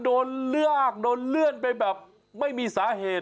โดนเลือกโดนเลื่อนไปแบบไม่มีสาเหตุ